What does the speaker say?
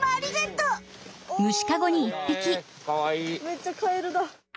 めっちゃカエルだ。